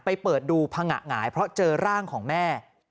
เปิดดูพังงะหงายเพราะเจอร่างของแม่